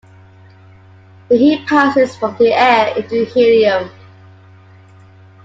The heat passes from the air into the helium.